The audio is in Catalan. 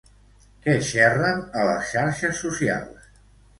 Què xerren a les xarxes socials?